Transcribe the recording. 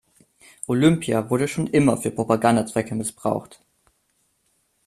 Olympia wurde schon immer für Propagandazwecke missbraucht.